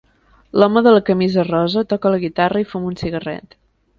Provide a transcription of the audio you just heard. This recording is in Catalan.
L'home de la camisa rosa toca la guitarra i fuma un cigarret.